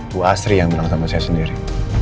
bu asri yang bilang sama saya sendiri